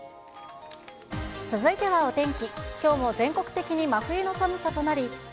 続いてはお天気。